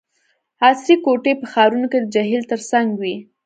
عصري کوټي په ښارونو کې د جهیل ترڅنګ وي